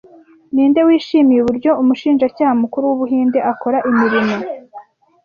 Ninde wishimiye uburyo umushinjacyaha mukuru wu Buhinde akora imirimo